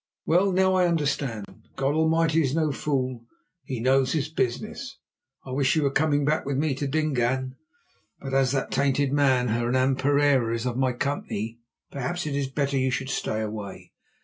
Well, now I understand. God Almighty is no fool; He knows His business. I wish you were coming back with me to Dingaan; but as that tainted man, Hernan Pereira, is of my company, perhaps it is better that you should stay away.